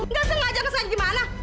nggak sengaja nggak sengaja gimana